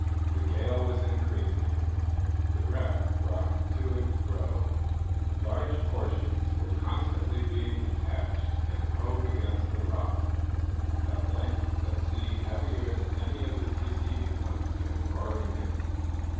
The gale was increasing, the wreck rocked to and fro, large portions were constantly being detached and hove against the rock. At length a sea heavier than any of the preceding ones came roaring in.